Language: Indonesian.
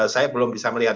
saya belum bisa melihat